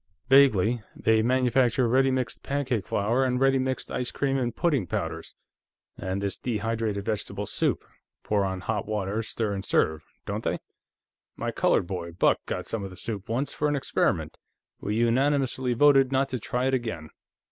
"Vaguely. They manufacture ready mixed pancake flour, and ready mixed ice cream and pudding powders, and this dehydrated vegetable soup pour on hot water, stir, and serve don't they? My colored boy, Buck, got some of the soup, once, for an experiment. We unanimously voted not to try it again."